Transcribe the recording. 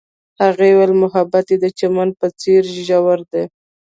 هغې وویل محبت یې د چمن په څېر ژور دی.